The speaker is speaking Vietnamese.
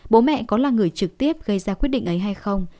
bố mẹ có là người trực tiếp gây ra quyết định ấy hay không